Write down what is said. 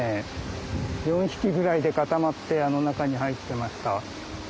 ４匹ぐらいで固まってあの中に入ってました。